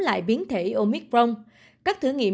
khi biến thể omicron xuất hiện